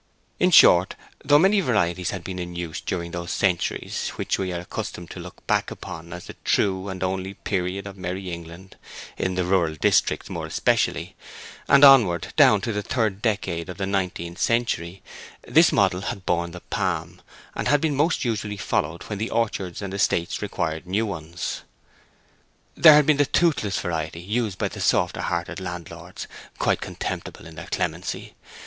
In short, though many varieties had been in use during those centuries which we are accustomed to look back upon as the true and only period of merry England—in the rural districts more especially—and onward down to the third decade of the nineteenth century, this model had borne the palm, and had been most usually followed when the orchards and estates required new ones. There had been the toothless variety used by the softer hearted landlords—quite contemptible in their clemency.